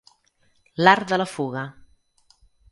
L'art de la fuga.